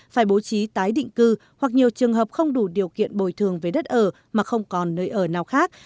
phải bố trí tái định cư hoặc nhiều trường hợp không đủ điều kiện bồi thường về đất ở mà không còn nơi ở nào khác